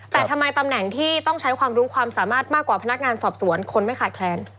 แต่ทำไมตำแหน่งที่ต้องใช้ความรู้ความสามารถมากกว่าพนักงานสอบสวนคนไม่ขาดแคลน